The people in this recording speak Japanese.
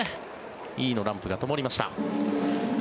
Ｅのランプがともりました。